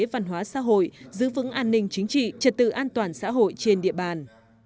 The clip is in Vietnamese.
văn hóa xã hội giữ vững an ninh chính trị trật tự an toàn xã hội trên địa bàn